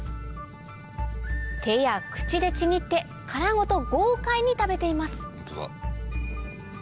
手や口でちぎって殻ごと豪快に食べています